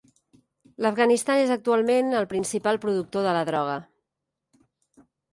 L'Afganistan és actualment el principal productor de la droga.